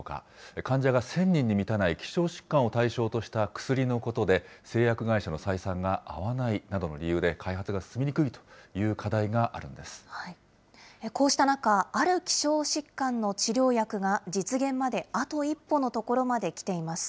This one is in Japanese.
患者が１０００人に満たない希少疾患を対象とした薬のことで、製薬会社の採算が合わないなどの理由で、開発が進みにくいというこうした中、ある希少疾患の治療薬が実現まであと一歩のところまで来ています。